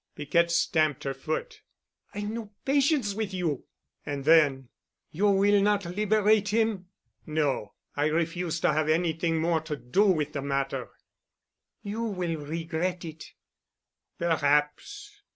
Piquette stamped her foot. "I've no patience with you." And then, "You will not liberate him?" "No. I refuse to have anything more to do with the matter." "You will regret it." "Perhaps.